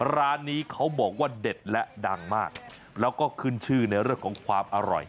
ร้านนี้เขาบอกว่าเด็ดและดังมากแล้วก็ขึ้นชื่อในเรื่องของความอร่อย